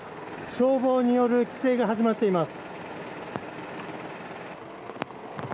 消防による規制が始まっています。